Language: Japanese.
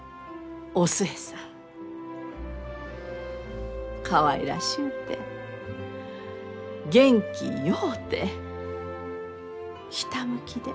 お寿恵さんかわいらしゅうて元気ようてひたむきで。